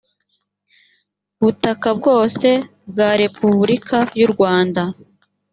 butaka bwose bwa repubulika y u rwanda